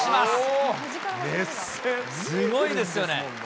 すごいですよね。